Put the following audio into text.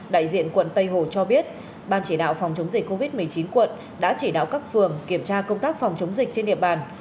đại diện quận tây hồ cho biết ban chỉ đạo phòng chống dịch covid một mươi chín quận đã chỉ đạo các phường kiểm tra công tác phòng chống dịch trên địa bàn